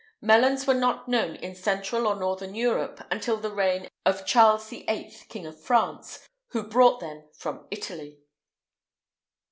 [IX 160] Melons were not known in central or northern Europe until the reign of Charles VIII., King of France, who brought them from Italy.